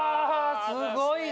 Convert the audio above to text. すごいな。